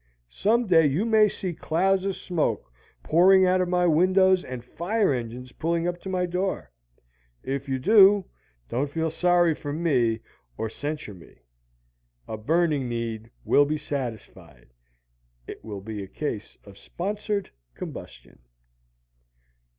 Some day you may see clouds of smoke pouring out of my windows and fire engines pulling up at my door. If you do, don't feel sorry for me or censure me. A burning need will be satisfied. It will be a case of sponsored combustion.